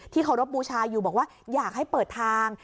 เคารพบูชาอยู่บอกว่าอยากให้เปิดทาง